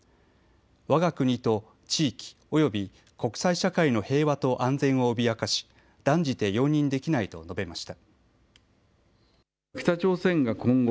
わが国と地域、および国際社会の平和と安全を脅かし断じて容認できないと述べました。